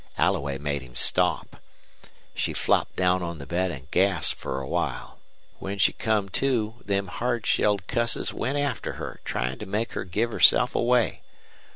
Alloway made him stop. She flopped down on the bed an' gasped fer a while. When she come to them hardshelled cusses went after her, trying to make her give herself away.